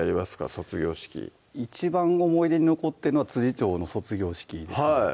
卒業式一番思い出に残ってるのは調の卒業式ですね